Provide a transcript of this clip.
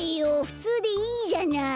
ふつうでいいじゃない！